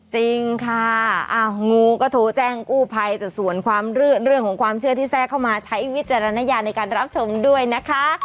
จริงค่ะงูก็โทรแจ้งกู้ภัยแต่ส่วนความเรื่องของความเชื่อที่แทรกเข้ามาใช้วิจารณญาณในการรับชมด้วยนะคะ